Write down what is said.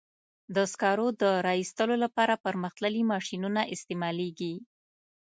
د سکرو د را ایستلو لپاره پرمختللي ماشینونه استعمالېږي.